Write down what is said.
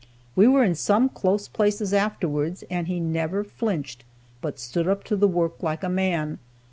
We were in some close places afterwards, and he never flinched, but stood up to the work like a man.